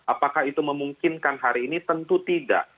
apakah itu memungkinkan hari ini tentu tidak